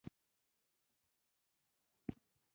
موزیک د ماشوم سندره ده.